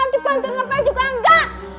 dibantuin ngapain juga enggak